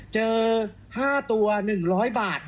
เจอ๕ตัว๑๐๐บาท